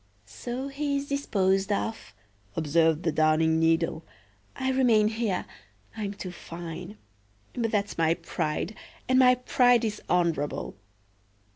"So he is disposed of," observed the Darning needle. "I remain here, I am too fine. But that's my pride, and my pride is honorable."